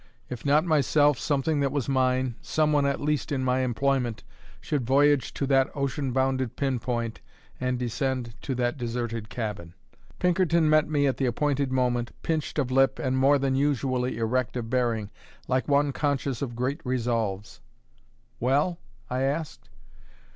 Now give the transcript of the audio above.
If not myself, something that was mine, some one at least in my employment, should voyage to that ocean bounded pin point and descend to that deserted cabin. Pinkerton met me at the appointed moment, pinched of lip and more than usually erect of bearing, like one conscious of great resolves. "Well?" I asked.